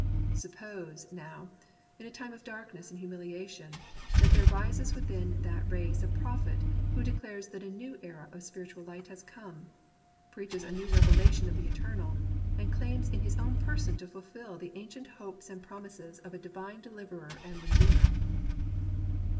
Suppose, now, in a time of darkness and humilia tion, that there rises within that race a prophet who declares that a new era of spiritual light has come, preaches a new revelation of the Eternal, and claims in his own person to fulfil the ancient hopes and 8 THE BOOK OF BOOKS promises of a divine deliverer and redeemer.